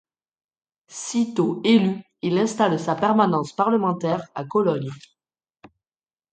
Sitôt élu, il installe sa permanence parlementaire à Cologne.